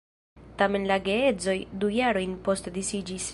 Tamen la geedzoj du jarojn poste disiĝis.